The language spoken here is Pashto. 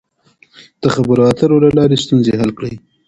د خبرو اترو له لارې ستونزې حل کړئ.